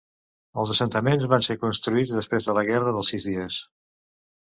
Els assentaments van ser construïts després de la Guerra dels Sis Dies.